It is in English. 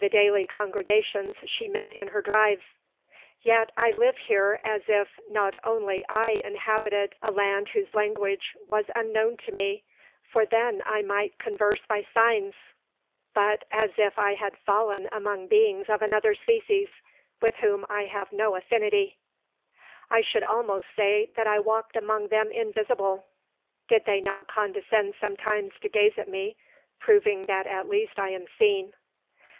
293 daily congregations she met in her drives ;" vet I live here as if not only I inhabited a land whose language was unknown to me, for then I might converse by signs, — but as if I had fallen among beings of another species, with whom I have no affinity : I should almost say that I walked among them invisible, did they not con descend sometimes to gaze at me, proving that at least I am seen."